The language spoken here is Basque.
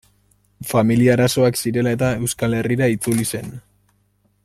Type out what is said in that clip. Familia-arazoak zirela eta, Euskal Herrira itzuli zen.